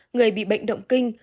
người bị bệnh động kinh